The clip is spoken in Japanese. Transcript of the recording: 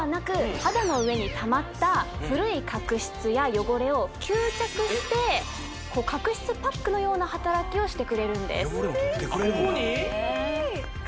肌の上にたまった古い角質や汚れを吸着してこう角質パックのような働きをしてくれるんです嬉しい汚れも取ってくれるんだ